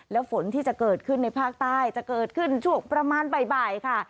และฝนที่จะเกิดขึ้นในภาคใต้จะเกิดขึ้นช่วงประมาณบ่ายค่ะ